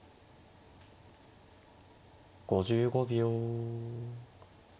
５５秒。